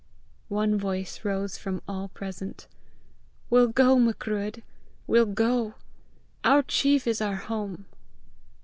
One voice rose from all present: "We'll go, Macruadh! We'll go! Our chief is our home!"